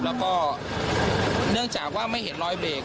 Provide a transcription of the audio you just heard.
แล้วก็เนื่องจากว่าไม่เห็นรอยเบรก